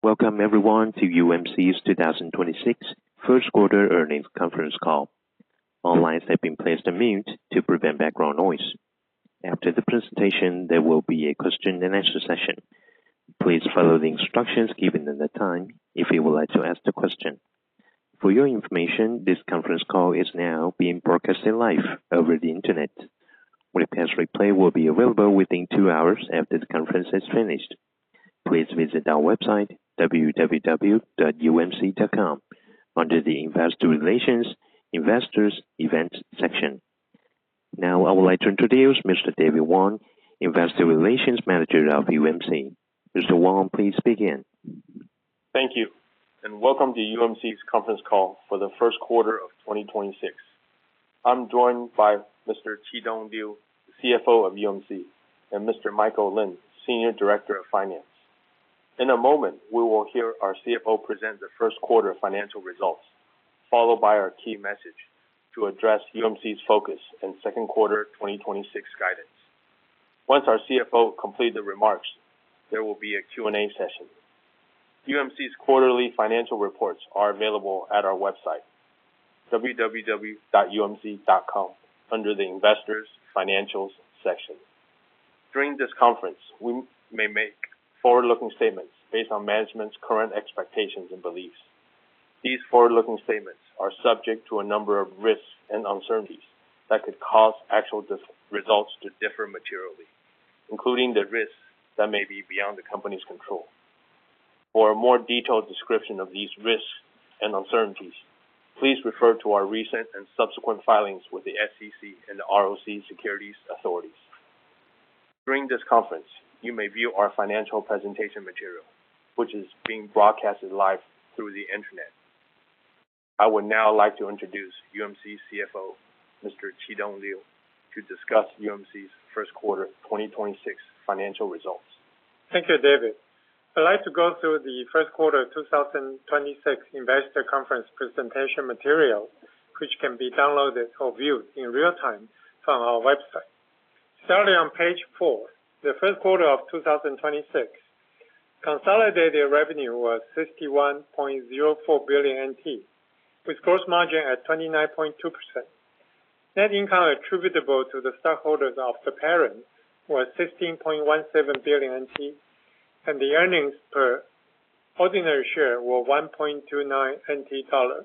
Welcome everyone to UMC's 2026 first quarter earnings conference call. All lines have been placed on mute to prevent background noise. After the presentation, there will be a question-and-answer session. Please follow the instructions given at the time if you would like to ask the question. For your information, this conference call is now being broadcasted live over the internet. Webcast replay will be available within two hours after the conference has finished. Please visit our website, www.umc.com, under the Investor Relations, Investors Events section. Now I would like to introduce Mr. David Wong, Investor Relations Manager of UMC. Mr. Wong, please begin. Thank you. Welcome to UMC's conference call for the first quarter of 2026. I'm joined by Mr. Chitung Liu, CFO of UMC, and Mr. Michael Lin, Senior Director of Finance. In a moment, we will hear our CFO present the first quarter financial results, followed by our key message to address UMC's focus in second quarter 2026 guidance. Once our CFO complete the remarks, there will be a Q&A session. UMC's quarterly financial reports are available at our website, www.umc.com, under the Investors Financials section. During this conference, we may make forward-looking statements based on management's current expectations and beliefs. These forward-looking statements are subject to a number of risks and uncertainties that could cause actual results to differ materially, including the risks that may be beyond the company's control. For a more detailed description of these risks and uncertainties, please refer to our recent and subsequent filings with the SEC and the ROC securities authorities. During this conference, you may view our financial presentation material, which is being broadcasted live through the internet. I would now like to introduce UMC CFO, Mr. Chitung Liu, to discuss UMC's first quarter 2026 financial results. Thank you, David. I'd like to go through the first quarter 2026 investor conference presentation material, which can be downloaded or viewed in real time from our website. Starting on page four, the first quarter of 2026, consolidated revenue was 61.04 billion NT, with gross margin at 29.2%. Net income attributable to the stockholders of the parent was 16.17 billion NT, and the earnings per ordinary share were 1.29 NT dollar,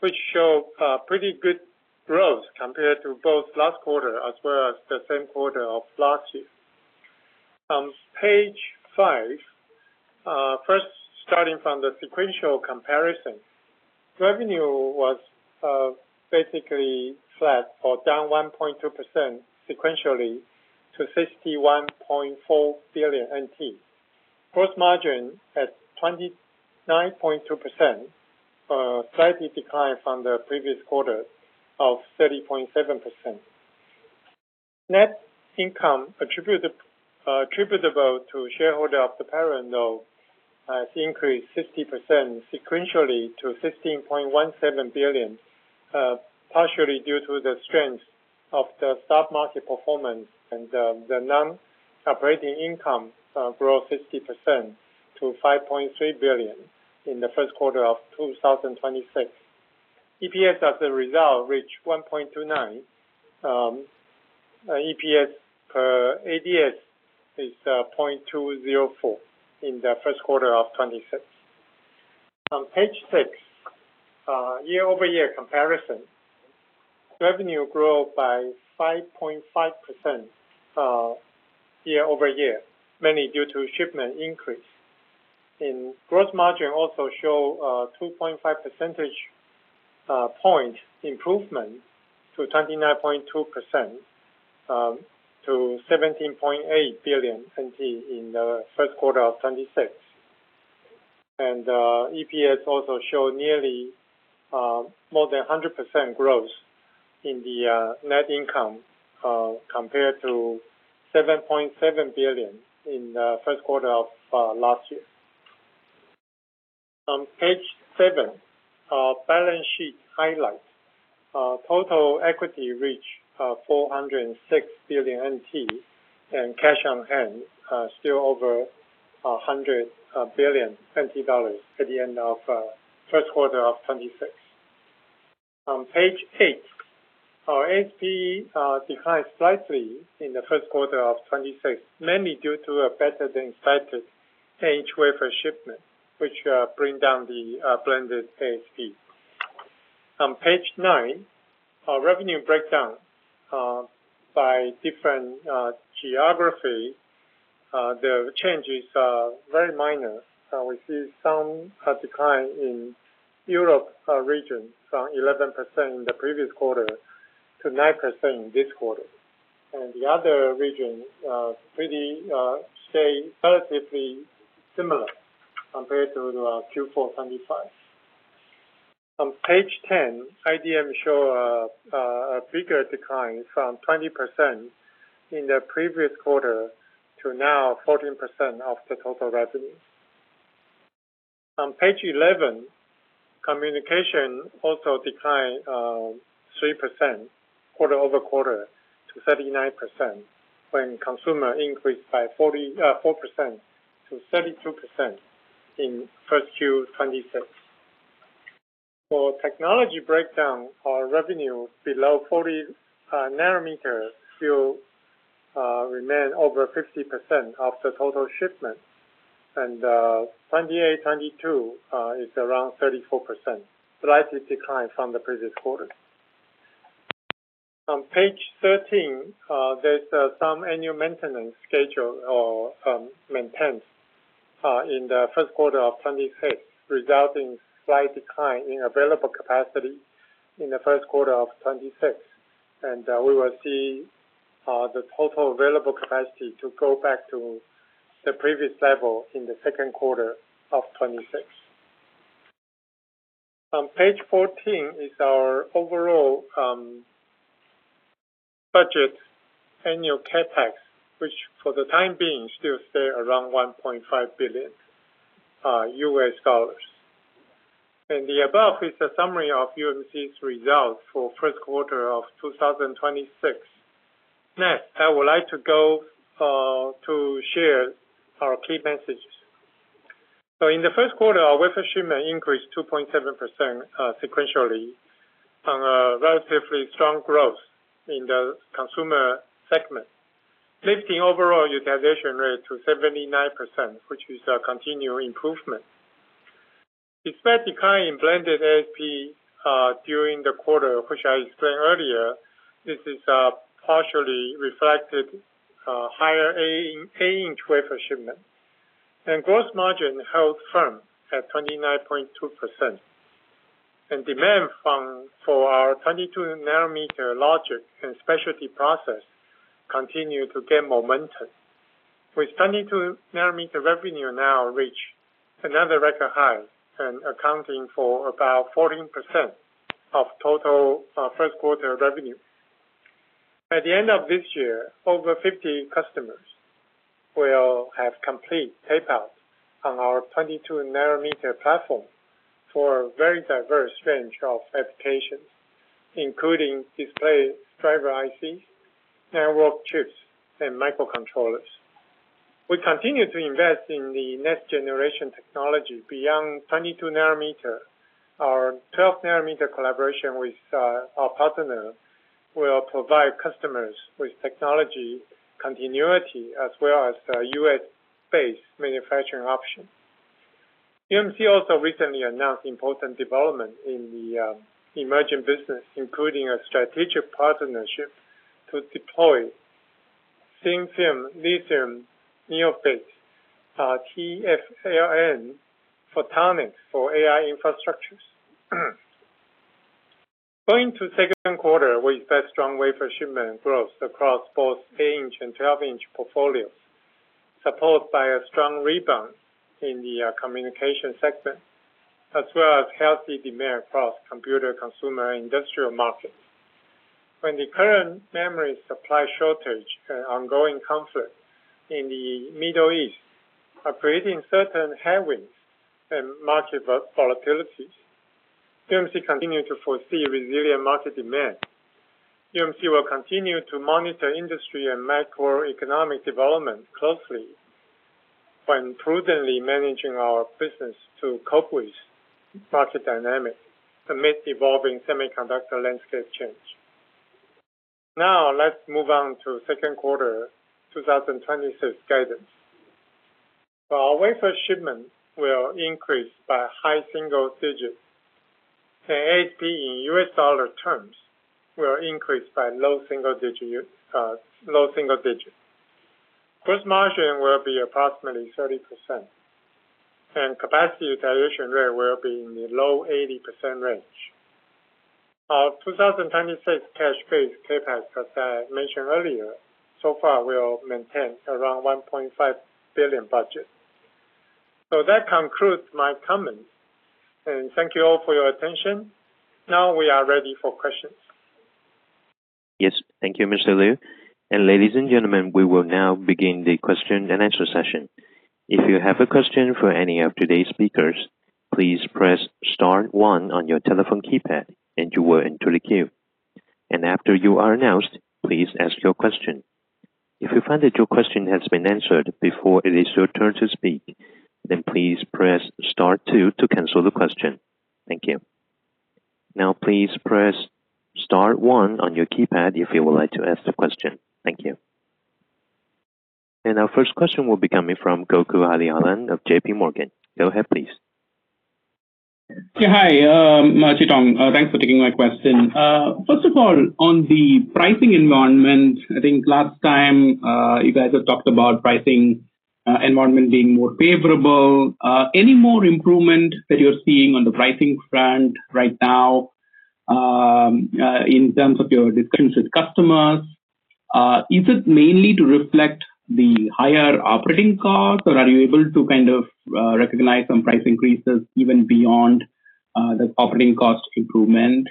which show pretty good growth compared to both last quarter as well as the same quarter of last year. On page five, first starting from the sequential comparison. Revenue was basically flat or down 1.2% sequentially to 61.4 billion NT. Gross margin at 29.2%, slightly declined from the previous quarter of 30.7%. Net income attributable to shareholder of the parent though, has increased 50% sequentially to 16.17 billion, partially due to the strength of the stock market performance and the non-operating income, grow 50% to 5.3 billion in the first quarter of 2026. EPS as a result reached 1.29, EPS per ADS is 0.204 in the first quarter of 2026. On page six, year-over-year comparison. Revenue grow by 5.5% year-over-year, mainly due to shipment increase. In gross margin also show 2.5 percentage point improvement to 29.2%, to 17.8 billion NT in the first quarter of 2026. EPS also show nearly more than 100% growth in the net income compared to 7.7 billion in the first quarter of last year. On page seven, balance sheet highlights. Total equity reach 406 billion NT, and cash on hand still over 100 billion NT dollars at the end of first quarter of 2026. On page eight, our ASP declined slightly in the first quarter of 2026, mainly due to a better-than-expected 8 in wafer shipment, which bring down the blended ASP. On page nine, our revenue breakdown by different geography. The changes are very minor. We see some have declined in Europe region from 11% in the previous quarter to 9% in this quarter. The other region pretty stay relatively similar compared to the Q4 2025. On page 10, IDM show a bigger decline from 20% in the previous quarter to now 14% of the total revenue. On page 11, Communication also declined 3% quarter-over-quarter to 39%, when consumer increased by 4% to 32% in first Q 2026. For technology breakdown, our revenue below 40 nm still remain over 50% of the total shipment. 28 nm, 22 nm is around 34%, slightly declined from the previous quarter. On page 13, there's some annual maintenance schedule or maintenance in the first quarter of 2026, resulting slight decline in available capacity in the first quarter of 2026. We will see the total available capacity to go back to the previous level in the second quarter of 2026. On page 14 is our overall budget annual CapEx, which for the time being, still stay around $1.5 billion. The above is a summary of UMC's results for first quarter of 2026. Next, I would like to go to share our key messages. In the first quarter, our wafer shipment increased 2.7% sequentially on a relatively strong growth in the consumer segment, lifting overall utilization rate to 79%, which is a continued improvement. Despite decline in blended ASP during the quarter, which I explained earlier, this is partially reflected higher 8 in wafer shipment. Gross margin held firm at 29.2%. Demand for our 22 nm logic and specialty process continued to gain momentum, with 22 nm revenue now reach another record high and accounting for about 14% of total first quarter revenue. At the end of this year, over 50 customers will have complete tape-out on our 22 nm platform for a very diverse range of applications, including display driver IC, network chips, and microcontrollers. We continue to invest in the next generation technology beyond 22 nm. Our 12 nm collaboration with our partner will provide customers with technology continuity as well as a U.S.-based manufacturing option. UMC also recently announced important development in the emerging business, including a strategic partnership to deploy thin-film lithium niobate TFLN photonics for AI infrastructures. Going to second quarter, we expect strong wafer shipment growth across both 8 in and 12 in portfolios, supported by a strong rebound in the communication segment, as well as healthy demand across computer, consumer, and industrial markets. When the current memory supply shortage and ongoing conflict in the Middle East are creating certain headwinds and market volatilities, UMC continue to foresee resilient market demand. UMC will continue to monitor industry and macroeconomic development closely when prudently managing our business to cope with market dynamic amid evolving semiconductor landscape change. Let's move on to second quarter 2026 guidance. Our wafer shipment will increase by high single digits, and ASP in U.S. dollar terms will increase by low single digit. Gross margin will be approximately 30%, and capacity utilization rate will be in the low 80% range. Our 2026 cash base CapEx, as I mentioned earlier, so far will maintain around 1.5 billion budget. That concludes my comments, and thank you all for your attention. Now we are ready for questions. Yes, thank you, Mr. Liu. Ladies and gentlemen, we will now begin the question-and-answer session. If you have a question for any of today's speakers, please press star one on your telephone keypad and you will enter the queue. After you are announced, please ask your question. If you find that your question has been answered before it is your turn to speak, then please press star two to cancel the question. Thank you. Now please press star one on your keypad if you would like to ask a question. Thank you. Our first question will be coming from Gokul Hariharan of JPMorgan. Go ahead, please. Yeah. Hi, Chitung. Thanks for taking my question. First of all, on the pricing environment, I think last time, you guys have talked about pricing environment being more favorable. Any more improvement that you're seeing on the pricing front right now, in terms of your discussions with customers? Is it mainly to reflect the higher operating costs, or are you able to kind of recognize some price increases even beyond the operating cost improvement?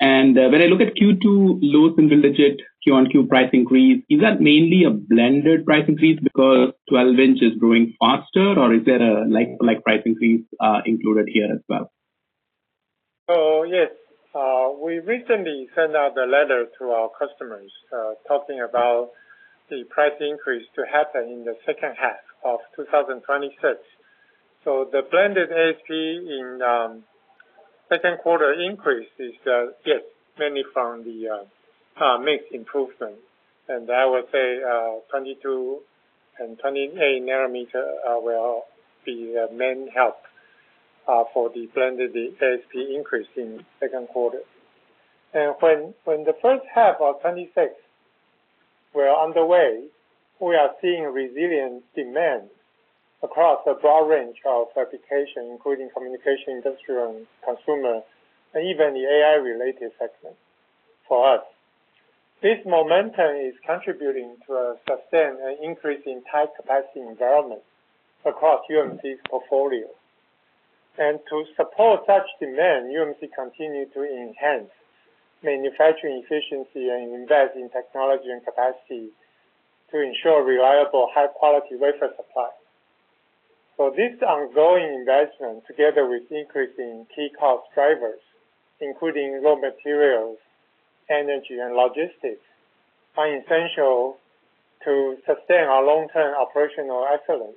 When I look at Q2 low single-digit QoQ price increase, is that mainly a blended price increase because 12 in is growing faster or is there a like prie increase included here as well? Yes. We recently sent out a letter to our customers, talking about the price increase to happen in the second half of 2026. The blended ASP in second quarter increase is, yes, mainly from the mix improvement. I would say 22 nm and 28 nm will be the main help for the blended ASP increase in second quarter. When the first half of 2026 were underway, we are seeing resilient demand across a broad range of fabrication, including communication, industrial and consumer, and even the AI-related segment for us. This momentum is contributing to a sustained and increasing tight capacity environment across UMC's portfolio. To support such demand, UMC continues to enhance manufacturing efficiency and invest in technology and capacity to ensure reliable, high quality wafer supply. This ongoing investment, together with increasing key cost drivers, including raw materials, energy and logistics, are essential to sustain our long-term operational excellence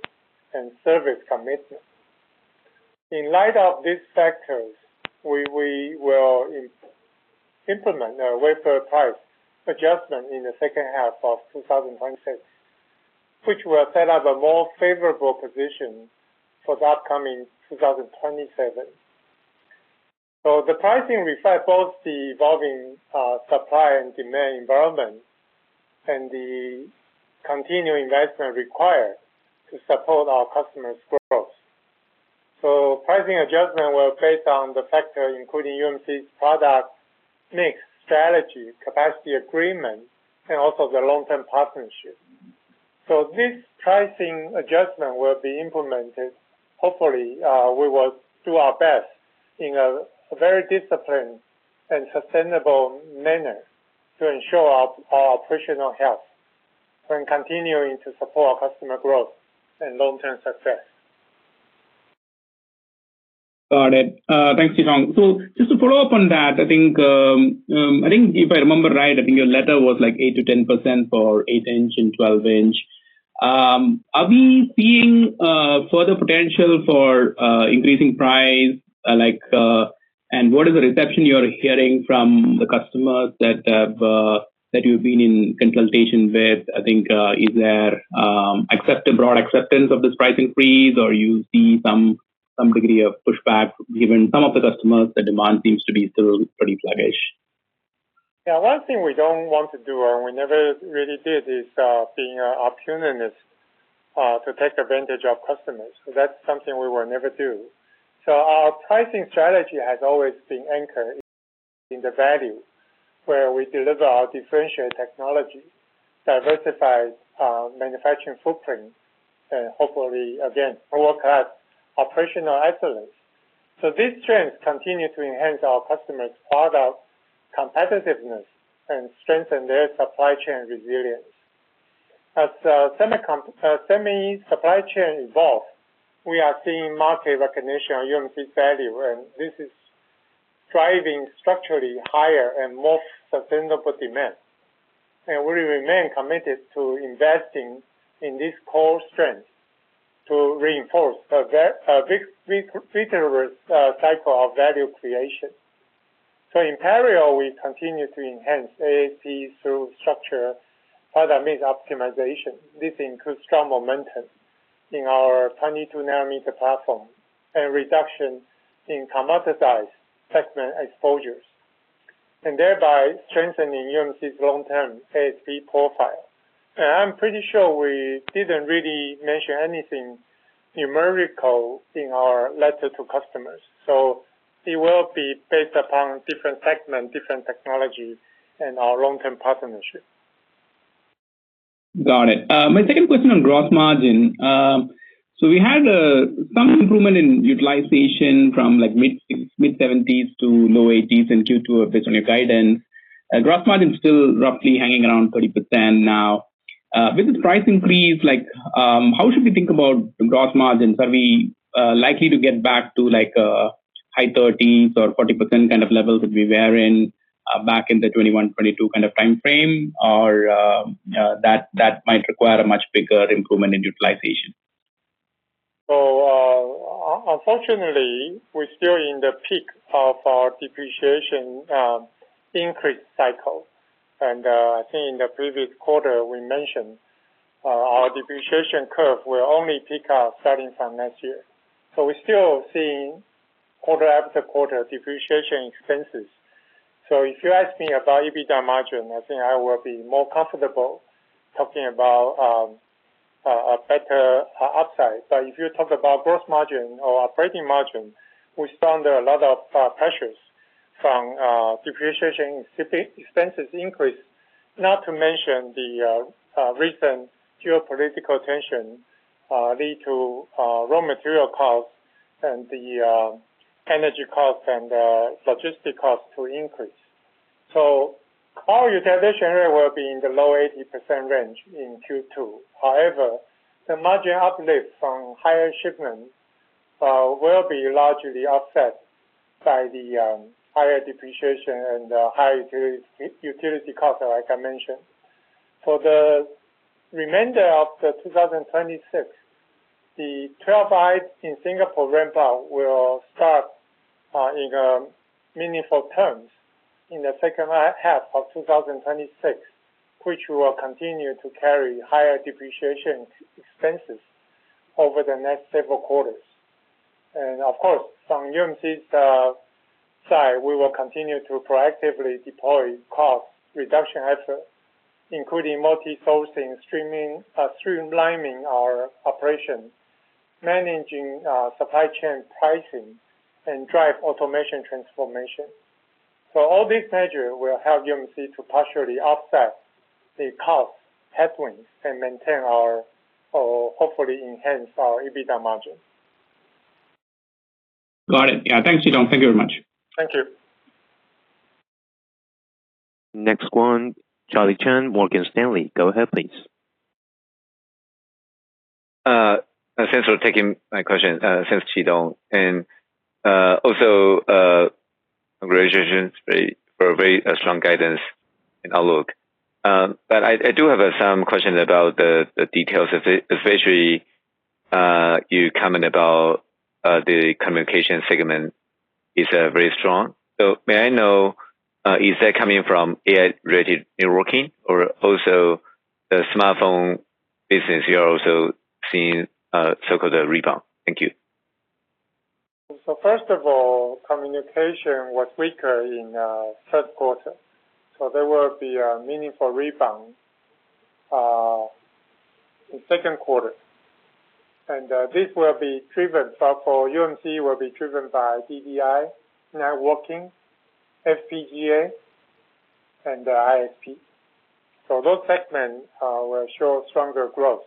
and service commitment. In light of these factors, we will implement a wafer price adjustment in the second half of 2026, which will set up a more favorable position for the upcoming 2027. The pricing reflects both the evolving supply and demand environment and the continuing investment required to support our customers' growth. Pricing adjustment will based on the factor, including UMC's product mix, strategy, capacity agreement, and also the long-term partnership. This pricing adjustment will be implemented. Hopefully, we will do our best in a very disciplined and sustainable manner to ensure our operational health and continuing to support our customer growth and long-term success. Got it. Thanks, Chitung. Just to follow up on that, I think, I think if I remember right, I think your letter was like 8%-10% for 8 in and 12 in. Are we seeing further potential for increasing price, like? What is the reception you're hearing from the customers that have that you've been in consultation with? I think, is there broad acceptance of this pricing freeze or you see some degree of pushback given some of the customers, the demand seems to be still pretty sluggish. Yeah. One thing we don't want to do, or we never really did, is being opportunist to take advantage of customers. That's something we will never do. Our pricing strategy has always been anchored in the value where we deliver our differentiated technology, diversified manufacturing footprint, and hopefully, again, work at operational excellence. These trends continue to enhance our customers' product competitiveness and strengthen their supply chain resilience. As semi supply chain evolves, we are seeing market recognition on UMC value, and this is driving structurally higher and more sustainable demand. We remain committed to investing in this core strength to reinforce a virtuous cycle of value creation. In parallel, we continue to enhance ASP through structure product mix optimization. This includes strong momentum in our 22 nm platform and reduction in commoditized segment exposures, and thereby strengthening UMC's long-term ASP profile. I'm pretty sure we didn't really mention anything numerical in our letter to customers. It will be based upon different segments, different technology, and our long-term partnership. Got it. My second question on gross margin. We had some improvement in utilization from like mid-70%s to low 80%s in Q2 based on your guidance. Gross margin is still roughly hanging around 30% now. With this price increase, like, how should we think about gross margins? Are we likely to get back to like high 30% or 40% kind of levels that we were in back in the 2021, 2022 kind of time frame? That might require a much bigger improvement in utilization. Unfortunately, we're still in the peak of our depreciation increase cycle. I think in the previous quarter we mentioned our depreciation curve will only peak out starting from next year. We're still seeing quarter-after-quarter depreciation expenses. If you ask me about EBITDA margin, I think I will be more comfortable talking about a better upside. If you talk about gross margin or operating margin, we still under a lot of pressures from depreciation expenses increase. Not to mention the recent geopolitical tension lead to raw material costs and the energy costs and logistic costs to increase. Our utilization rate will be in the low 80% range in Q2. However, the margin uplift from higher shipments will be largely offset by the higher depreciation and higher utility costs, like I mentioned. For the remainder of 2026, the 12 in in Singapore ramp up will start in meaningful terms in the second half of 2026, which will continue to carry higher depreciation expenses over the next several quarters. Of course, from UMC's side, we will continue to proactively deploy cost reduction efforts, including multi-sourcing, streamlining our operations, managing supply chain pricing and drive automation transformation. All these measures will help UMC to partially offset the cost headwinds and maintain our or hopefully enhance our EBITDA margin. Got it. Yeah. Thanks, Chitung. Thank you very much. Thank you. Next one, Charlie Chan, Morgan Stanley. Go ahead, please. Thanks for taking my question, thanks, Chitung. Also, congratulations for a very strong guidance and outlook. I do have some questions about the details of it, especially, you comment about the communication segment is very strong. May I know, is that coming from AI-related networking or also the smartphone business you're also seeing, so-called a rebound? Thank you. First of all, communication was weaker in third quarter, so there will be a meaningful rebound in second quarter. For UMC will be driven by DDI, networking, FPGA and ISP. Those segments will show stronger growth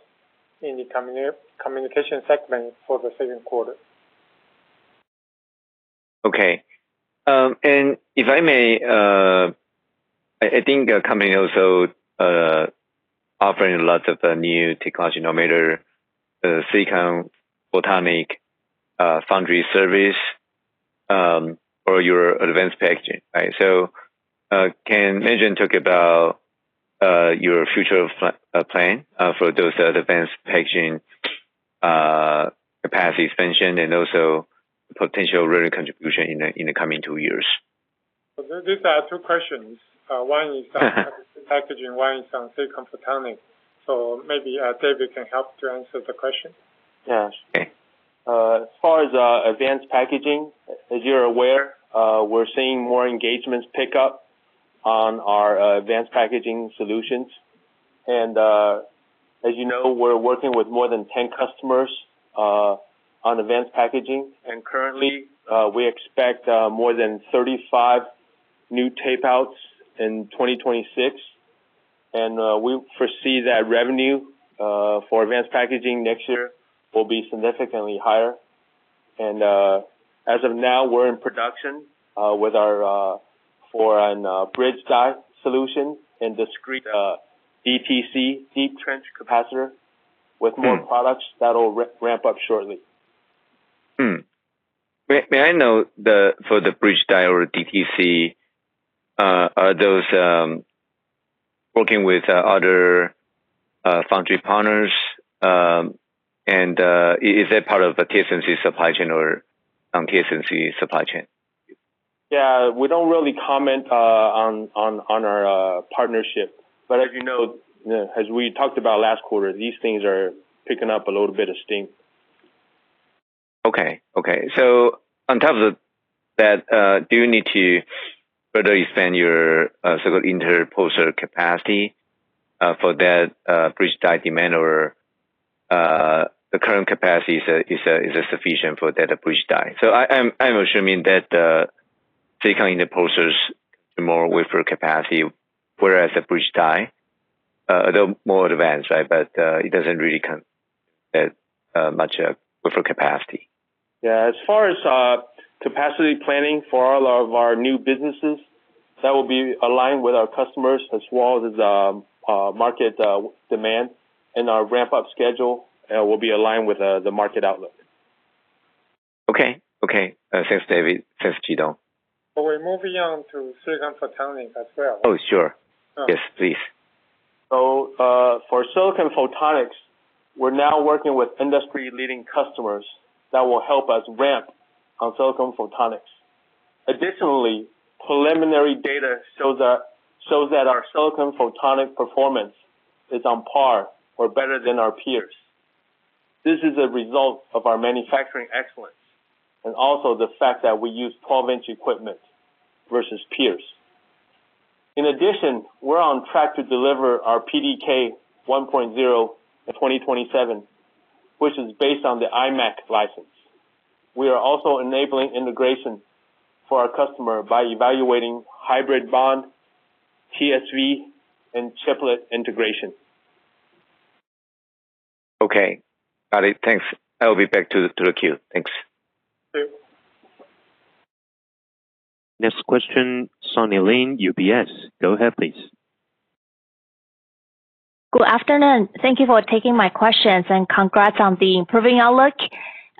in the communication segment for the second quarter. Okay. If I may, I think the company also offering lots of new technology, no matter silicon photonics, foundry service, or your advanced packaging, right? Can management talk about your future plan for those advanced packaging capacity expansion and also potential revenue contribution in the coming two years? These are two questions. One is on packaging, one is on silicon photonics. Maybe David can help to answer the question. Yeah, sure. As far as advanced packaging, as you're aware, we're seeing more engagements pick up on our advanced packaging solutions. As you know, we're working with more than 10 customers on advanced packaging. Currently, we expect more than 35 new tape outs in 2026. We foresee that revenue for advanced packaging next year will be significantly higher. As of now, we're in production with our for an bridge die solution and discrete DTC, Deep Trench Capacitor, with more products that'll ramp up shortly. May I know for the bridge die or DTC, are those working with other foundry partners? Is that part of the TSMC supply chain or TSMC supply chain? Yeah. We don't really comment on our partnership. As you know, as we talked about last quarter, these things are picking up a little bit of steam. Okay. Okay. On top of that, do you need to further expand your so-called interposer capacity for that bridge die demand? Or, the current capacity is sufficient for that bridge die? I'm assuming that, taking the interposers more wafer capacity, whereas the bridge die, though more advanced, right? It doesn't really come much wafer capacity. Yeah. As far as capacity planning for all of our new businesses, that will be aligned with our customers as well as market demand. Our ramp-up schedule will be aligned with the market outlook. Okay. Okay. Thanks, David. Thanks, Chitung. We're moving on to silicon photonics as well. Oh, sure. Yes, please. For silicon photonics, we're now working with industry-leading customers that will help us ramp on silicon photonics. Additionally, preliminary data shows that our silicon photonics performance is on par or better than our peers. This is a result of our manufacturing excellence and also the fact that we use fully automated benches equipment versus peers. In addition, we're on track to deliver our PDK 1.0 in 2027, which is based on the IMEC license. We are also enabling integration for our customer by evaluating hybrid bonding, TSV, and Chiplet integration. Okay. Got it. Thanks. I'll be back to the queue. Thanks. Sure. Next question, Sunny Lin, UBS. Go ahead, please. Good afternoon. Thank you for taking my questions, and congrats on the improving outlook.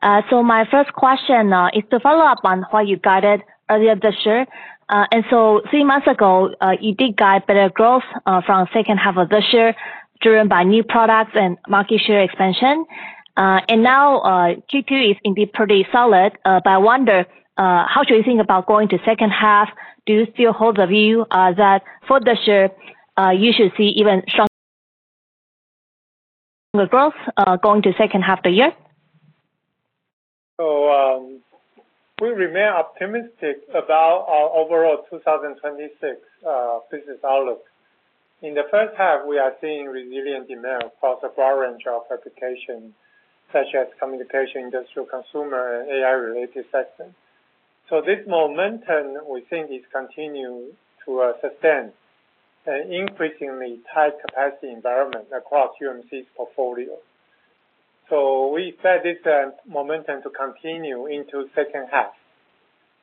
My first question is to follow up on what you guided earlier this year. Three months ago, you did guide better growth from second half of this year, driven by new products and market share expansion. Now, Q2 is indeed pretty solid. I wonder, how should you think about going to second half? Do you still hold the view that for this year, you should see even stronger growth going to second half the year? We remain optimistic about our overall 2026 business outlook. In the first half, we are seeing resilient demand across a broad range of applications, such as communication, industrial, consumer, and AI-related sectors. This momentum, we think, is continuing to sustain an increasingly tight capacity environment across UMC's portfolio. We expect this momentum to continue into second half,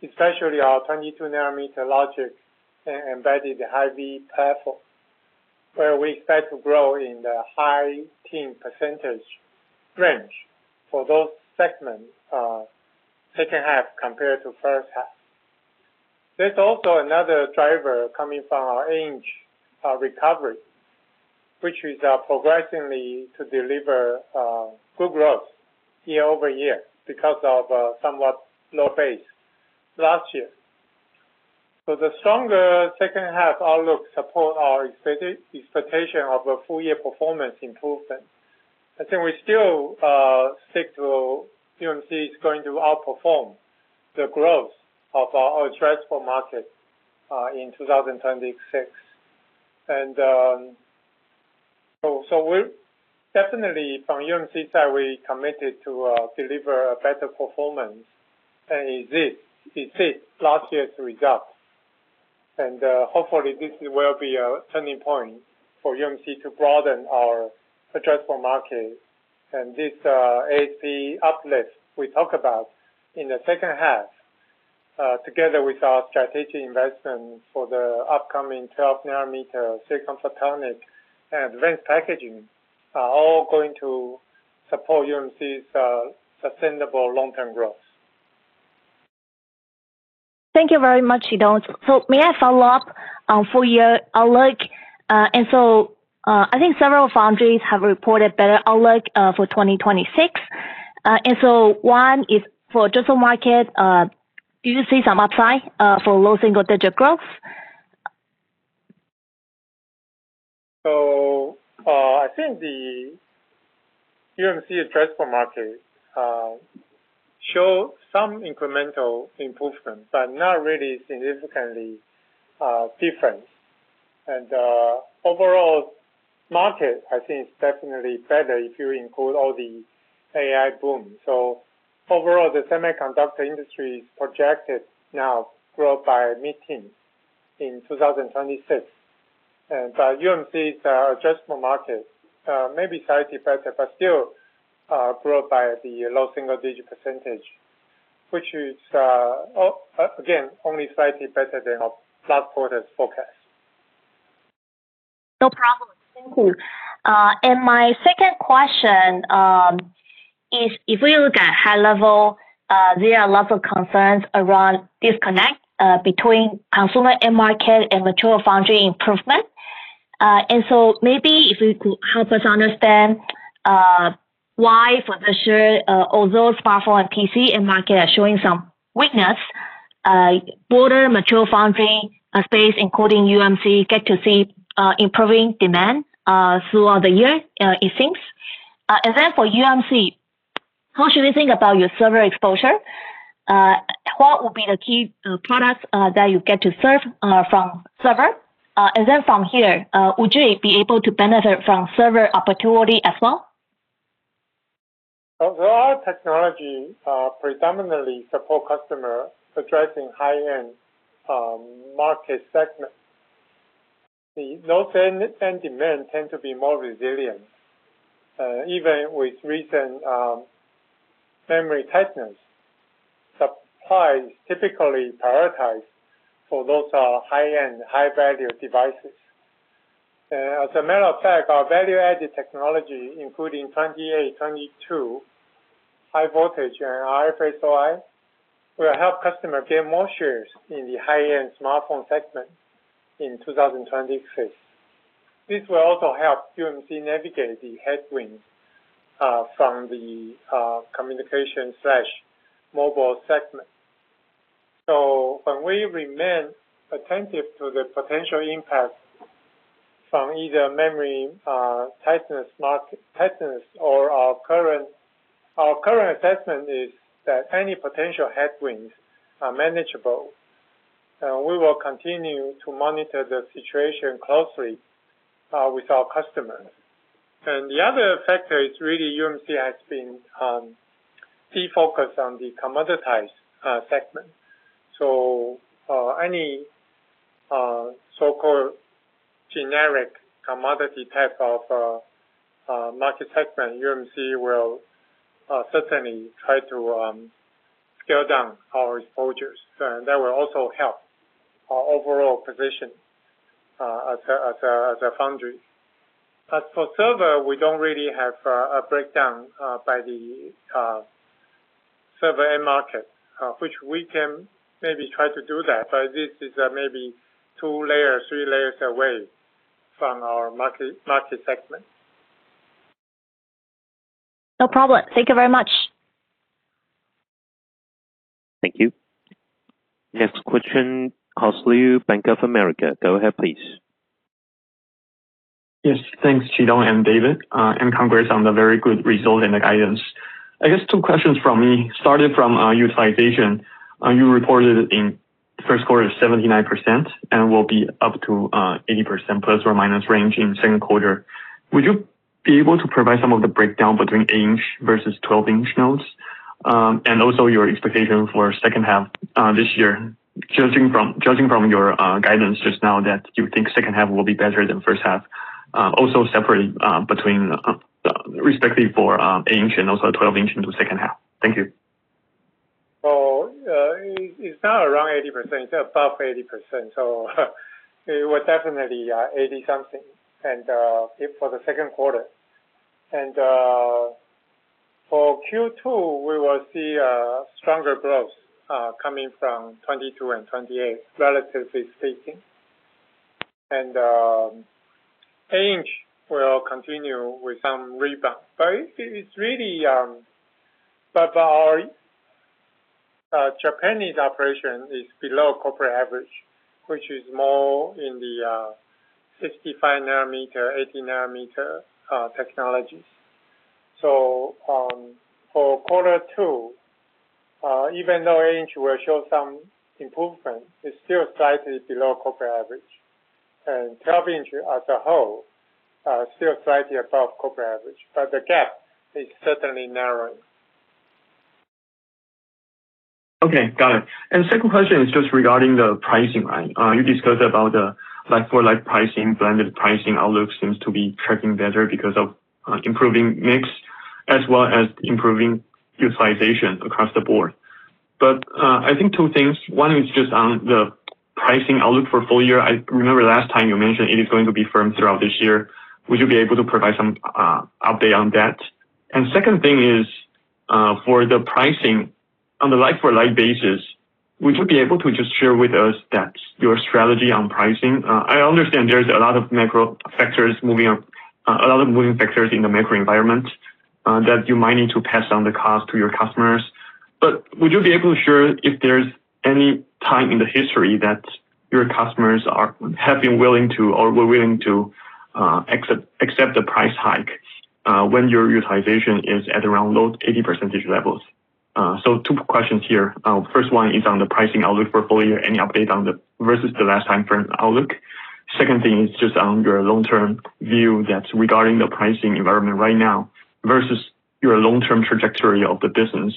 especially our 22 nm logic embedded high-v platform, where we expect to grow in the high-teen percentage range for those segments, second half compared to first half. There's also another driver coming from our image recovery, which is progressing to deliver good growth year-over-year because of somewhat low base last year. The stronger second half outlook support our expectation of a full year performance improvement. I think we still stick to UMC's going to outperform the growth of our addressable market in 2026. We're definitely, from UMC side, we're committed to deliver a better performance than exist last year's results. Hopefully this will be a turning point for UMC to broaden our addressable market. This ASP uplift we talk about in the second half, together with our strategic investment for the upcoming 12 nm silicon photonic and advanced packaging are all going to support UMC's sustainable long-term growth. Thank you very much, Chitung. May I follow up on full year outlook? I think several foundries have reported better outlook for 2026. One is for addressable market, do you see some upside for low single digit growth? I think the UMC addressable market show some incremental improvement, but not really significantly different. Overall market, I think, is definitely better if you include all the AI boom. Overall, the semiconductor industry is projected now grow by mid-teen in 2026. UMC's addressable market may be slightly better, but still grow by the low single digit percentage, which is again, only slightly better than our last quarter's forecast. No problem. Thank you. My second question is if we look at high level, there are lots of concerns around disconnect between consumer end market and mature foundry improvement. Maybe if you could help us understand why for this year, although smartphone and PC end market are showing some weakness, broader mature foundry space, including UMC, get to see improving demand throughout the year, it seems. For UMC, how should we think about your server exposure? What would be the key products that you get to serve from server? From here, would you be able to benefit from server opportunity as well? Our technology predominantly support customer addressing high-end market segment. The low-end demand tend to be more resilient. Even with recent memory tightness, supply is typically prioritized for those high-end, high-value devices. As a matter of fact, our value-added technology, including 28 nm, 22 nm, high-voltage and RFSOI, will help customer gain more shares in the high-end smartphone segment in 2026. This will also help UMC navigate the headwinds from the communication slash mobile segment. When we remain attentive to the potential impacts from either memory tightness, market tightness or Our current assessment is that any potential headwinds are manageable. We will continue to monitor the situation closely with our customers. The other factor is really UMC has been defocused on the commoditized segment. Any so-called generic commodity type of market segment, UMC will certainly try to scale down our exposures. That will help our overall position as a foundry. As for server, we don't really have a breakdown by the server end market, which we can maybe try to do that. This is maybe two layers, three layers away from our market segment. No problem. Thank you very much. Thank you. Next question, [Hause Lu], Bank of America, go ahead, please. Yes, thanks, Chitung and David. Congrats on the very good result and the guidance. I guess two questions from me, starting from utilization. You reported in the first quarter 79% and will be up to 80% ± range in second quarter. Would you be able to provide some of the breakdown between 8 in versus 12 in nodes? Also your expectation for second half this year, judging from your guidance just now that you think second half will be better than first half. Also separately, between respectively for 8 in and also 12 in into second half. Thank you. It's, it's not around 80%, it's above 80%. It was definitely 80% something and for the second quarter. For Q2, we will see stronger growth coming from 22 nm and 28 nm, relatively speaking. 8 in will continue with some rebound. Our Japanese operation is below corporate average, which is more in the 65 nm, 80 nm technologies. For quarter two, even though 8 in will show some improvement, it's still slightly below corporate average. 12 in as a whole are still slightly above corporate average, but the gap is certainly narrowing. Okay. Got it. Second question is just regarding the pricing line. You discussed about like for like pricing, blended pricing outlook seems to be tracking better because of improving mix as well as improving utilization across the board. I think two things. One is just on the pricing outlook for full year. I remember last time you mentioned it is going to be firm throughout this year. Would you be able to provide some update on that? Second thing is for the pricing on the like-for-like basis, would you be able to just share with us that's your strategy on pricing? I understand there's a lot of macro factors moving, a lot of moving factors in the macro environment that you might need to pass on the cost to your customers. Would you be able to share if there's any time in the history that your customers have been willing to or were willing to accept a price hike when your utilization is at around low 80% levels? Two questions here. First one is on the pricing outlook for full year. Any update on the versus the last time frame outlook? Second thing is just on your long-term view that's regarding the pricing environment right now versus your long-term trajectory of the business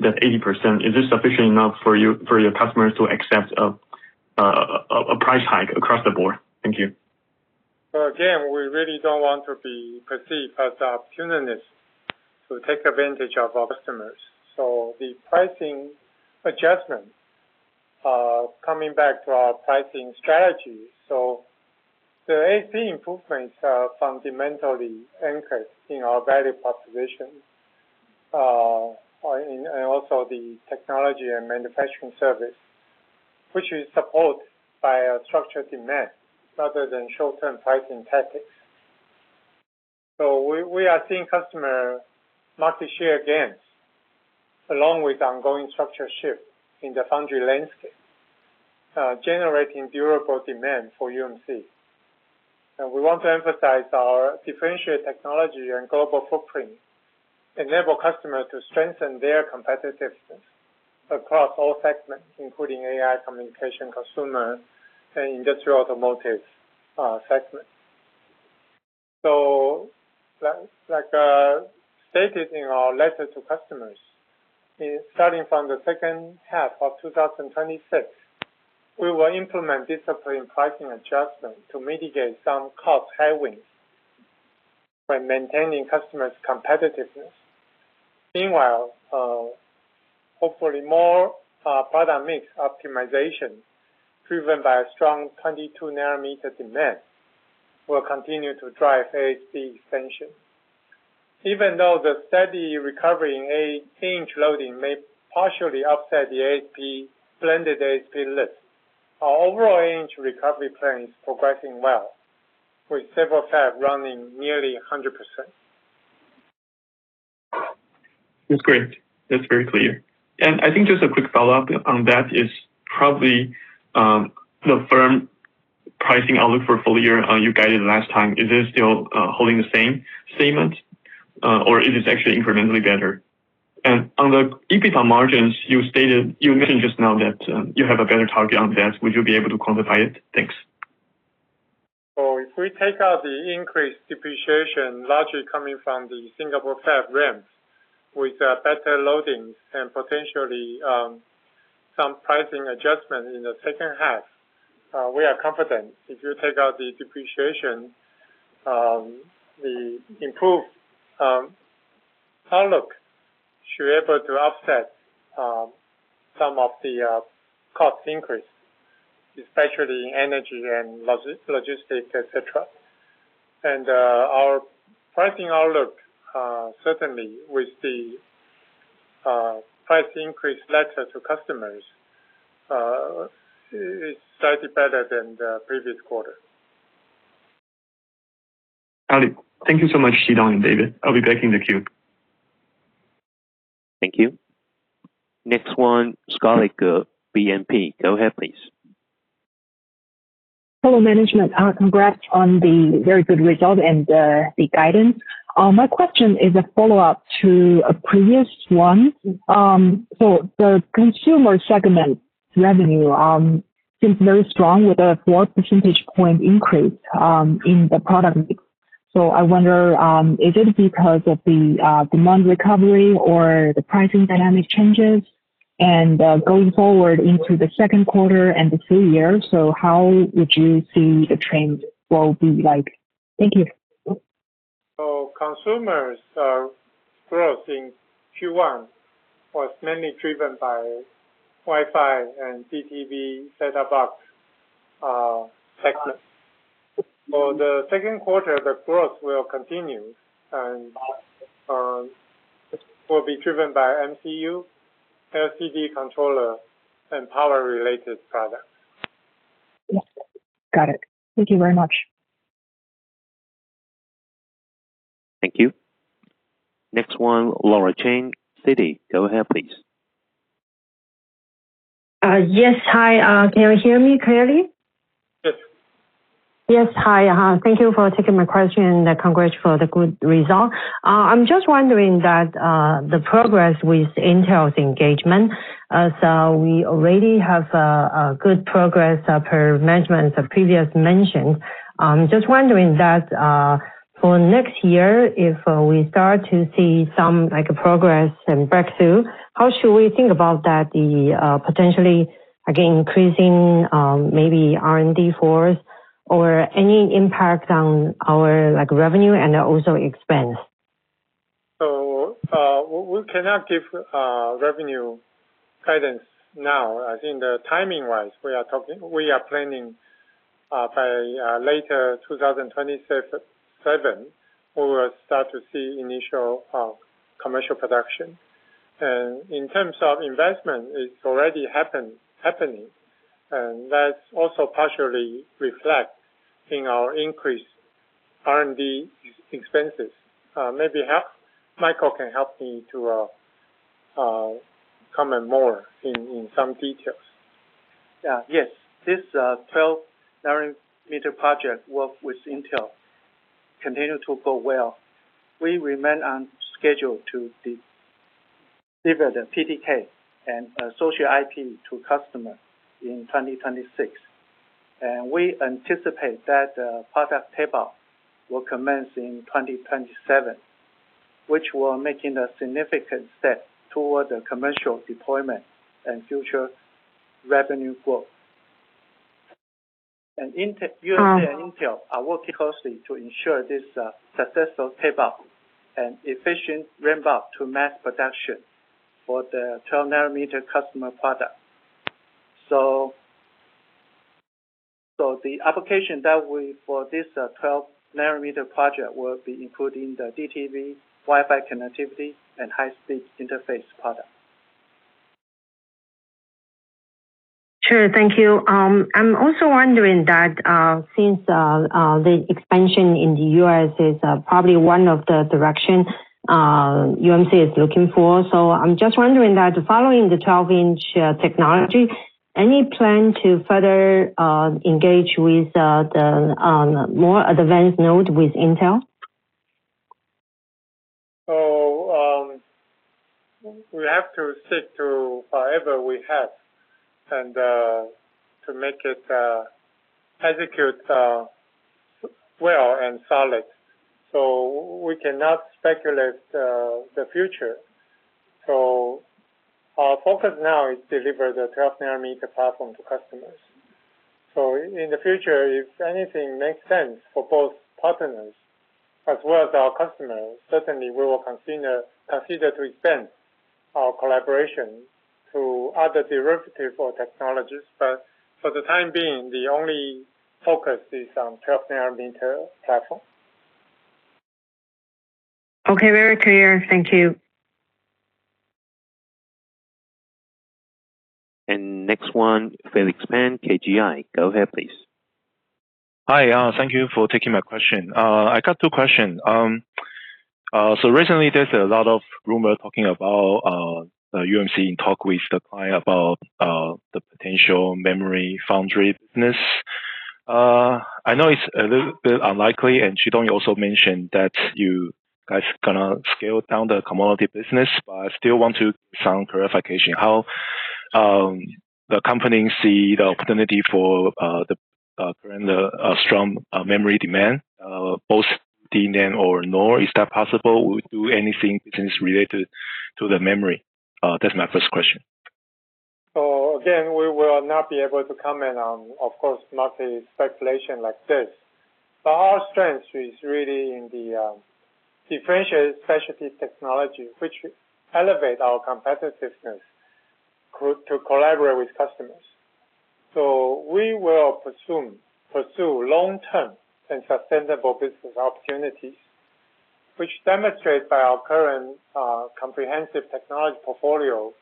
that 80%. Is this sufficient enough for your customers to accept a price hike across the board? Thank you. Again, we really don't want to be perceived as opportunists to take advantage of our customers. The pricing adjustment, coming back to our pricing strategy. The ASP improvements are fundamentally anchored in our value proposition, and also the technology and manufacturing service, which is supported by a structured demand rather than short-term pricing tactics. We are seeing customer market share gains along with ongoing structural shift in the foundry landscape, generating durable demand for UMC. We want to emphasize our differentiated technology and global footprint enable customers to strengthen their competitiveness across all segments, including AI, communication, consumer, and industrial automotive segments. Like stated in our letter to customers, starting from the second half of 2026, we will implement disciplined pricing adjustment to mitigate some cost headwinds by maintaining customers' competitiveness. Meanwhile, hopefully more product mix optimization driven by a strong 22 nm demand will continue to drive ASP expansion. Even though the steady recovery in 8 in loading may partially offset the blended ASP list, our overall 8 in recovery plan is progressing well with several fab running nearly 100%. That's great. That's very clear. I think just a quick follow-up on that is probably the firm pricing outlook for full year, you guided last time, is it still holding the same statement, or is this actually incrementally better? On the EBITDA margins, you mentioned just now that you have a better target on that. Would you be able to quantify it? Thanks. If we take out the increased depreciation largely coming from the Singapore fab ramp with better loadings and potentially some pricing adjustment in the second half, we are confident if you take out the depreciation, the improved outlook should be able to offset some of the cost increase, especially energy and logistic, et cetera. Our pricing outlook certainly with the price increase ledger to customers is slightly better than the previous quarter. Got it. Thank you so much, Chitung and David. I'll be taking the queue. Thank you. Next one, [Skati Ku], BNP. Go ahead, please. Hello, management. Congrats on the very good result and the guidance. My question is a follow-up to a previous one. The consumer segment revenue seems very strong with a 4 percentage point increase in the product. I wonder, is it because of the demand recovery or the pricing dynamic changes? Going forward into the second quarter and the full year, how would you see the trend will be like? Thank you. Consumers, growth in Q1 was mainly driven by Wi-Fi and DTV set-top box, tech. For the second quarter, the growth will continue and will be driven by MCU, LCD controller and power-related products. Yes. Got it. Thank you very much. Thank you. Next one, Laura Chen, Citi. Go ahead, please. Yes. Hi, can you hear me clearly? Yes. Yes. Hi, thank you for taking my question and congrats for the good result. I'm just wondering that the progress with Intel's engagement. We already have a good progress per management of previous mention. Just wondering that for next year, if we start to see some like progress and breakthrough, how should we think about that, the potentially again, increasing, maybe R&D force or any impact on our like revenue and also expense? We cannot give revenue guidance now. I think the timing-wise, we are talking, we are planning by later 2027, we will start to see initial commercial production. In terms of investment, it's already happening, and that's also partially reflect in our increased R&D expenses. Michael can help me to comment more in some details. Yeah. Yes. This 12 nm project work with Intel continue to go well. We remain on schedule to de-deliver the PDK and associate IP to customer in 2026. We anticipate that the product tape out will commence in 2027, which will making a significant step toward the commercial deployment and future revenue growth. UMC and Intel are working closely to ensure this successful tape out and efficient ramp up to mass production for the 12 nm customer product. So the application that we, for this 12 nm project will be including the DTV, Wi-Fi connectivity and high-speed interface product. Sure. Thank you. I'm also wondering that since the expansion in the U.S. is probably one of the direction UMC is looking for. I'm just wondering that following the 12 in technology, any plan to further engage with the more advanced node with Intel? We have to stick to however we have and to make it execute well and solid. We cannot speculate the future. Our focus now is deliver the 12 nm platform to customers. In the future, if anything makes sense for both partners as well as our customers, certainly we will consider to extend our collaboration to other derivative for technologies. For the time being, the only focus is on 12 nm platform. Okay. Very clear. Thank you. Next one, Felix Pan, KGI. Go ahead, please. Hi, thank you for taking my question. I got two question. Recently there's a lot of rumor talking about the UMC in talk with the client about the potential memory foundry business. I know it's a little bit unlikely, and Chitung also mentioned that you guys gonna scale down the commodity business, but I still want to get some clarification how the company see the opportunity for the current strong memory demand, both the NAND or NOR. Is that possible? Would do anything business related to the memory? That's my first question. Again, we will not be able to comment on, of course, market speculation like this. But our strength is really in the differentiated specialty technology, which elevate our competitiveness to collaborate with customers. We will pursue long-term and sustainable business opportunities, which demonstrate by our current comprehensive technology portfolio,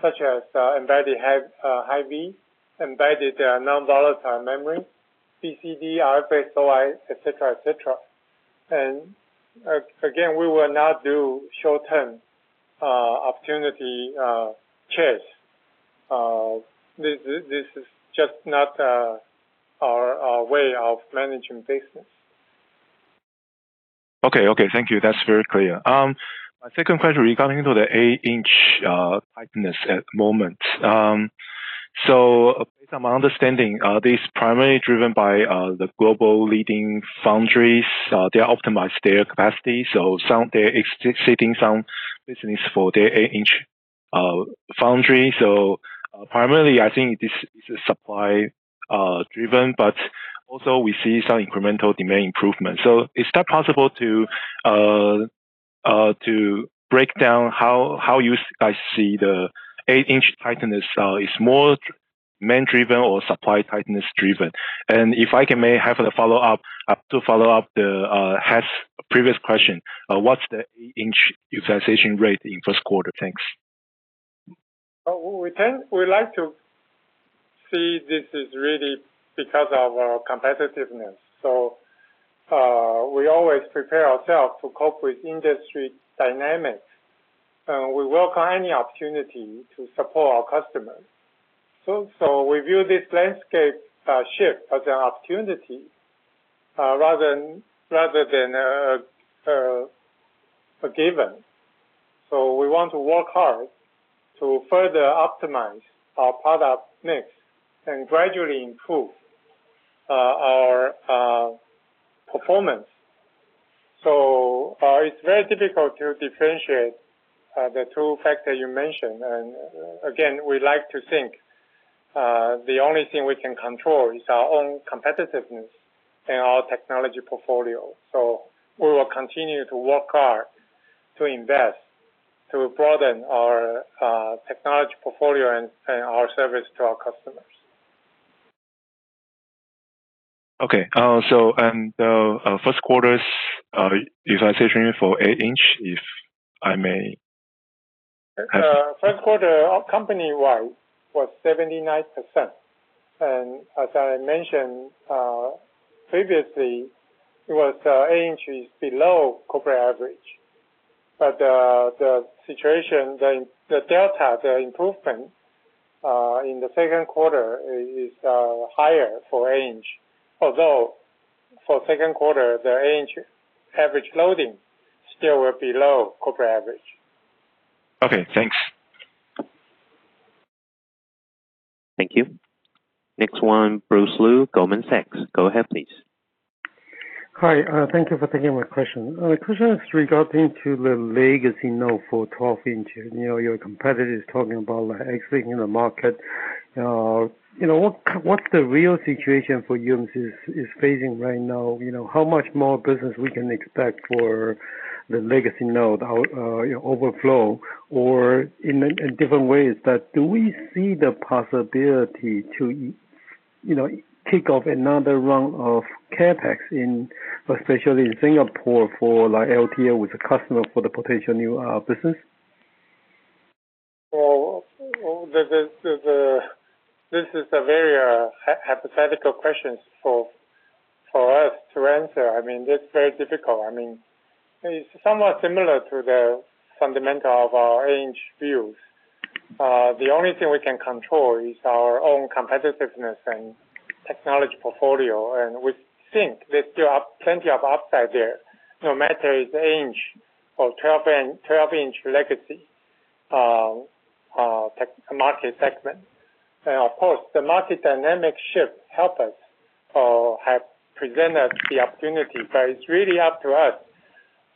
such as embedded high-v, embedded non-volatile memory, BCD, RF SOI, et cetera, et cetera. Again, we will not do short-term opportunity chase. This is just not our way of managing business. Okay. Okay. Thank you. That's very clear. My second question regarding to the 8 in tightness at the moment. Based on my understanding, this is primarily driven by the global leading foundries. They optimize their capacity, so some they're exiting some business for their 8 in foundry. Primarily I think this is a supply driven, but also we see some incremental demand improvement. Is that possible to break down how you guys see the 8 in tightness is more demand driven or supply tightness driven? If I can may have a follow-up to follow up the [Hause] previous question, what's the 8 in utilization rate in first quarter? Thanks. We like to see this is really because of our competitiveness. We always prepare ourselves to cope with industry dynamics, and we welcome any opportunity to support our customers. We view this landscape shift as an opportunity rather than a given. We want to work hard to further optimize our product mix and gradually improve our performance. It's very difficult to differentiate the two factors you mentioned. Again, we like to think the only thing we can control is our own competitiveness and our technology portfolio. We will continue to work hard to invest, to broaden our technology portfolio and our service to our customers. Okay. First quarter's utilization for 8 in, if I may ask? First quarter company-wide was 79%. As I mentioned, previously it was, 8 in is below corporate average. The situation, the delta, the improvement in the second quarter is higher for 8 in. For second quarter, the 8 in average loading still were below corporate average. Okay, thanks. Thank you. Next one, Bruce Lu, Goldman Sachs. Go ahead, please. Hi. Thank you for taking my question. The question is regarding to the legacy node for 12 in. You know, your competitor is talking about like exiting the market. You know, what's the real situation for UMC is facing right now, you know? How much more business we can expect for the legacy node, you know, overflow or in different ways that do we see the possibility to, you know, kick off another round of CapEx in especially Singapore for like LTA with the customer for the potential new business? Well, this is a very hypothetical question for us to answer. I mean, it's very difficult. I mean, it's somewhat similar to the fundamental of our 8 in views. The only thing we can control is our own competitiveness and technology portfolio, and we think there still are plenty of upside there, no matter is 8 in or 12 in legacy market segment. Of course, the market dynamic shift help us or have presented the opportunity, but it's really up to us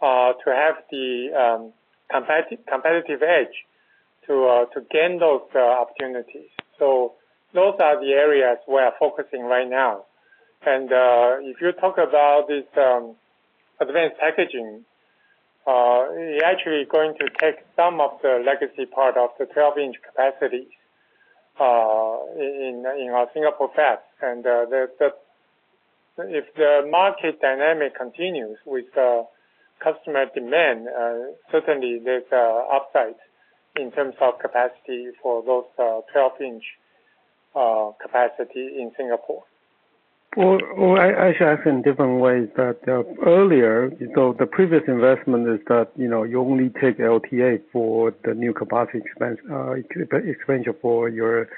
to have the competitive edge to gain those opportunities. Those are the areas we are focusing right now. If you talk about this advanced packaging, it actually going to take some of the legacy part of the 12 in capacity in our Singapore fab. If the market dynamic continues with the customer demand, certainly there's upside in terms of capacity for those 12 in capacity in Singapore. Well, I should ask in different ways that earlier, so the previous investment is that, you know, you only take LTA for the new capacity expense, expansion for your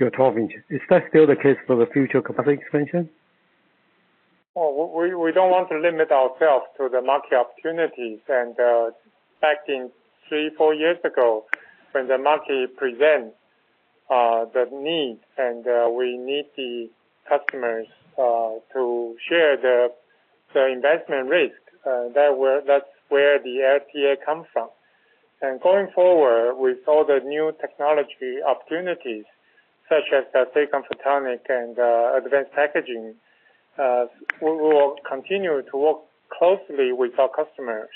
12 in. Is that still the case for the future capacity expansion? Well, we don't want to limit ourselves to the market opportunities. Back in three, four years ago, when the market present the need and we need the customers to share the investment risk, that's where the LTA comes from. Going forward with all the new technology opportunities, such as the silicon photonics and advanced packaging, we will continue to work closely with our customers,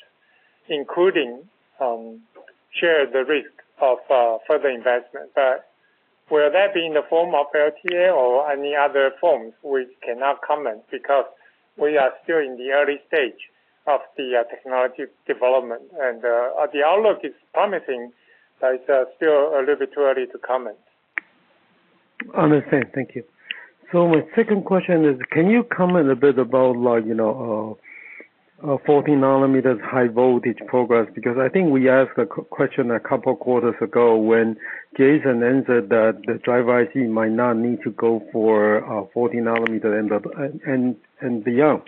including share the risk of further investment. Will that be in the form of LTA or any other forms, we cannot comment because we are still in the early stage of the technology development. The outlook is promising, but it's still a little bit too early to comment. Understand. Thank you. My second question is, can you comment a bit about like, you know, 14 nm high-voltage progress? Because I think we asked a question a couple quarters ago when Jason answered that the driver IC might not need to go for 14 nm and beyond.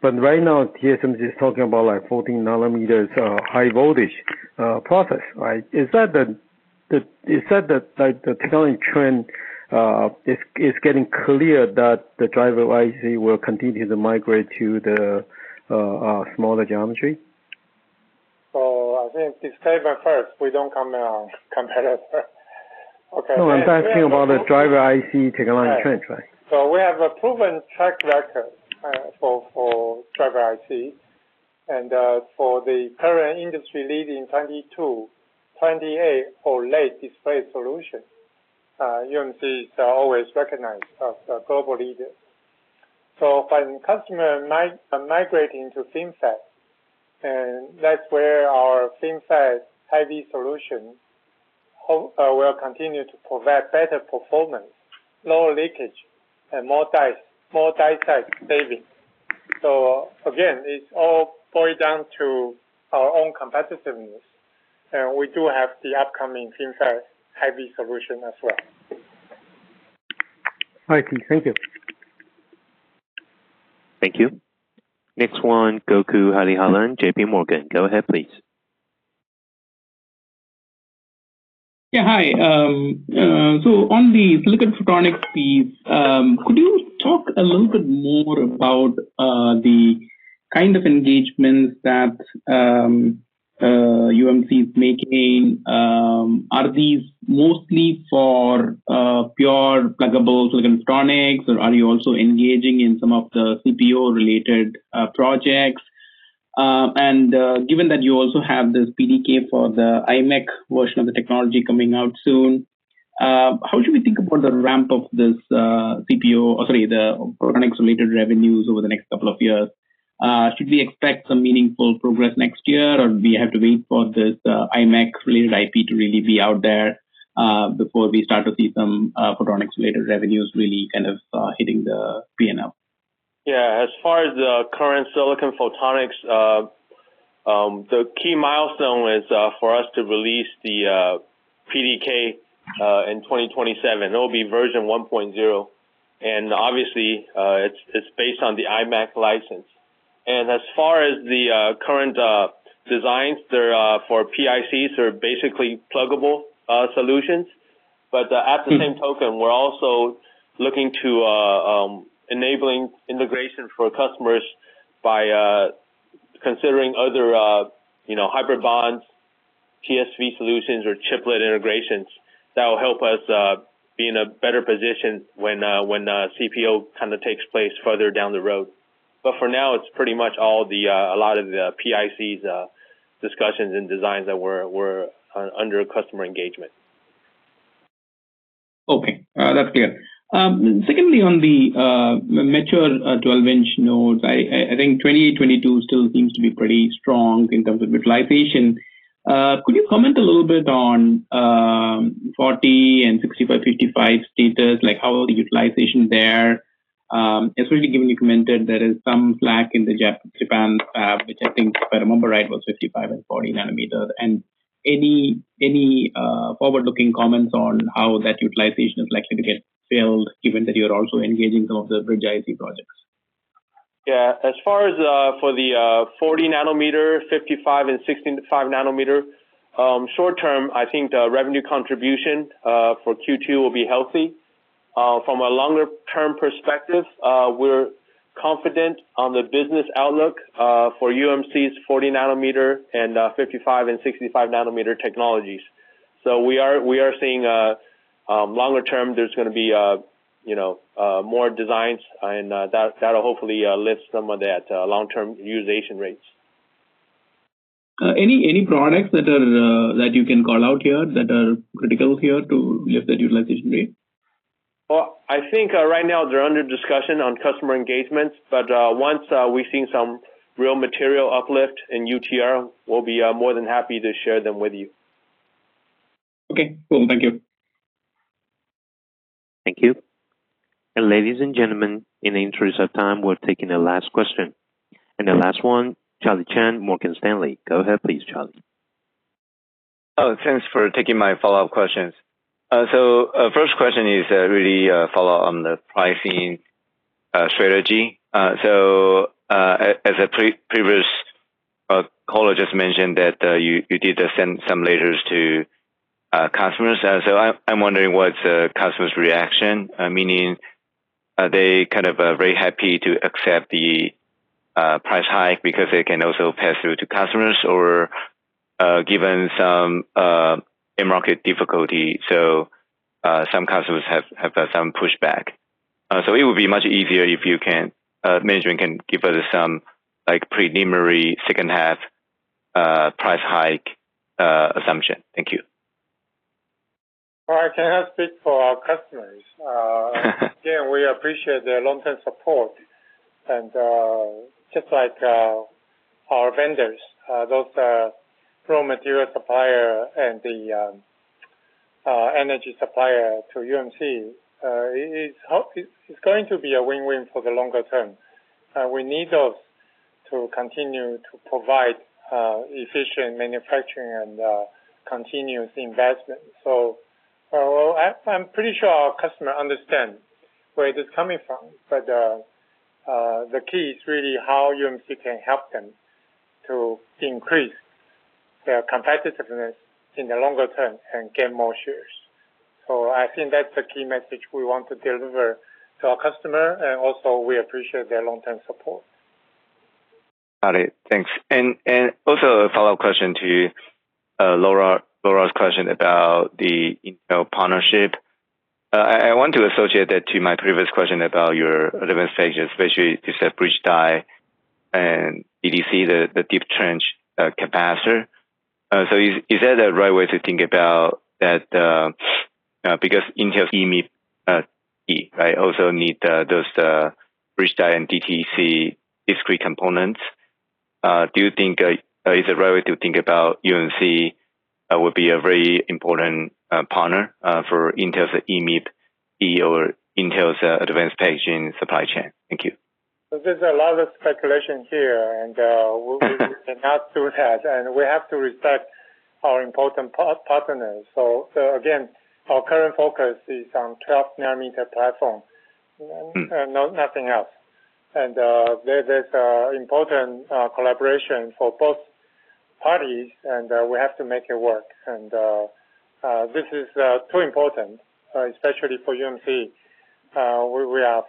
But right now, TSMC is talking about like 14 nm high-voltage process, right? Is that the, like, the technology trend is getting clear that the driver IC will continue to migrate to smaller geometry? I think to start by first, we don't comment on competitor. Okay. I'm asking about the driver IC technology trend, right? We have a proven track record for driver IC. For the current industry lead in 22 nm, 28 nm for late display solution, UMC is always recognized as the global leader. when customer migrating to FinFET, and that's where our FinFET heavy solution will continue to provide better performance, lower leakage and more dies, more die size savings. again, it's all boil down to our own competitiveness, and we do have the upcoming FinFET heavy solution as well. All right, [Chi]. Thank you. Thank you. Next one, Gokul Hariharan, JPMorgan. Go ahead, please. Yeah, hi. On the silicon photonics piece, could you talk a little bit more about the kind of engagements that UMC is making? Are these mostly for pure pluggable silicon photonics, or are you also engaging in some of the CPO-related projects? Given that you also have this PDK for the IMEC version of the technology coming out soon, how should we think about the ramp of the photonics-related revenues over the next couple of years? Should we expect some meaningful progress next year, or do we have to wait for this IMEC related IP to really be out there before we start to see some photonics related revenues really kind of hitting the P&L? Yeah. As far as the current silicon photonics, the key milestone is for us to release the PDK in 2027. It'll be version 1.0. Obviously, it's based on the IMEC license. As far as the current designs, they're for PICs, they're basically pluggable solutions. At the same token, we're also looking to enabling integration for customers by considering other, you know, hybrid bonds, TSV solutions or Chiplet integrations that will help us be in a better position when CPO kind of takes place further down the road. For now, it's pretty much all the a lot of the PICs discussions and designs that we're under customer engagement. Okay. That's clear. Secondly, on the mature 12 in nodes, I think 2022 still seems to be pretty strong in terms of utilization. Could you comment a little bit on 40 nm and 65 nm, 55 nm status? Like, how are the utilization there? Especially given you commented there is some slack in the Japan, which I think, if I remember right, was 55 nm and 40 nm. Any forward-looking comments on how that utilization is likely to get filled given that you're also engaging some of the bridge die projects? Yeah. As far as for the 40 nnm, 55 nm and 65 nm, short term, I think the revenue contribution for Q2 will be healthy. From a longer term perspective, we're confident on the business outlook for UMC's 40 nm and 55 nm and 65 nm technologies. We are seeing longer term, there's gonna be, you know, more designs and that'll hopefully lift some of that long-term utilization rates. Any products that are that you can call out here that are critical here to lift that utilization rate? Well, I think, right now they're under discussion on customer engagements, but once we've seen some real material uplift in UTR, we'll be more than happy to share them with you. Okay, cool. Thank you. Thank you. Ladies and gentlemen, in the interest of time, we're taking the last question. The last one, Charlie Chan, Morgan Stanley. Go ahead, please, Charlie. Thanks for taking my follow-up questions. First question is follow on the pricing strategy. As a previous caller just mentioned that you did send some letters to customers. I'm wondering what's the customer's reaction. Meaning, are they kind of very happy to accept the price hike because they can also pass through to customers? Given some end market difficulty, some customers have some pushback. It would be much easier if management can give us some like preliminary second half price hike assumption. Thank you. Well, I cannot speak for our customers. Again, we appreciate their long-term support. Just like our vendors, those raw material supplier and the energy supplier to UMC, it's going to be a win-win for the longer term. We need those to continue to provide efficient manufacturing and continuous investment. I'm pretty sure our customer understand where it is coming from, the key is really how UMC can help them to increase their competitiveness in the longer term and gain more shares. I think that's the key message we want to deliver to our customer, and also we appreciate their long-term support. Got it. Thanks. Also a follow-up question to Laura's question about the Intel partnership. I want to associate that to my previous question about your advanced stages, especially you said bridge die and BCD, the Deep Trench Capacitor. Is that the right way to think about that, because Intel EMIB also need those bridge die and DTC discrete components? Do you think is it right way to think about UMC would be a very important partner for Intel's EMIB-[E] or Intel's advanced packaging supply chain? Thank you. There's a lot of speculation here and we cannot do that. We have to respect our important partners. Again, our current focus is on 12 nm platform. Mm. No, nothing else. There's this important collaboration for both parties and, we have to make it work. This is too important, especially for UMC. We are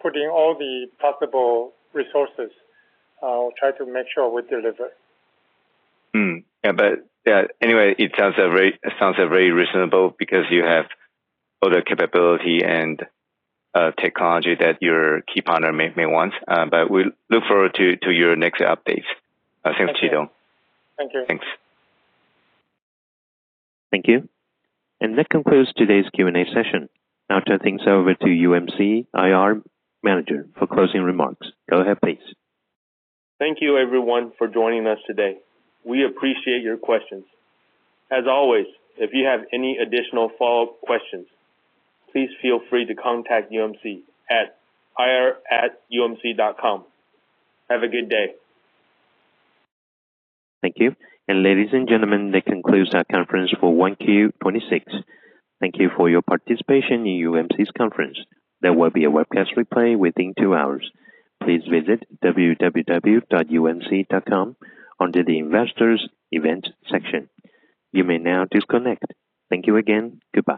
putting all the possible resources, try to make sure we deliver. Yeah. Anyway, it sounds very, it sounds very reasonable because you have all the capability and technology that your key partner may want. We look forward to your next update. Thanks, Chitung. Thank you. Thanks. That concludes today's Q&A session. I'll turn things over to UMC IR Manager for closing remarks. Go ahead, please. Thank you everyone for joining us today. We appreciate your questions. As always, if you have any additional follow-up questions, please feel free to contact UMC at ir@umc.com. Have a good day. Thank you. Ladies and gentlemen, that concludes our conference for 1Q 2026. Thank you for your participation in UMC's conference. There will be a webcast replay within two hours. Please visit www.umc.com under the Investors Event section. You may now disconnect. Thank you again. Goodbye.